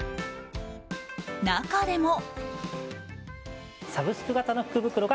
中でも。